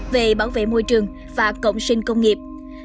về bảo vệ môi trường và cộng sinh công nghiệp